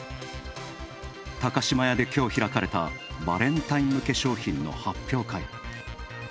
高島屋で、きょう開かれた、バレンタイン向け商品の発表会。